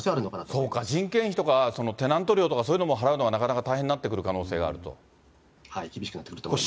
そうか、人件費とかテナント料とかそういうのも払うのがなかなか大変にな厳しくなってくると思います。